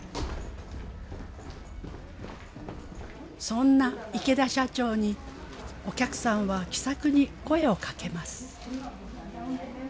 そんな池田社長にお客さんは気さくに声をかけます。